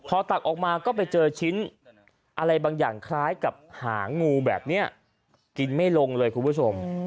พอตักออกมาก็ไปเจอชิ้นอะไรบางอย่างคล้ายกับหางงูแบบนี้กินไม่ลงเลยคุณผู้ชม